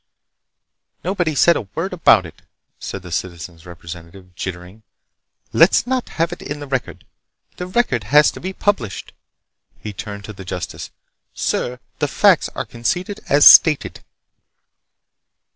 "Nobody's said a word about it," said the Citizen's Representative, jittering. "Let's not have it in the record! The record has to be published." He turned to the justice. "Sir, the facts are conceded as stated."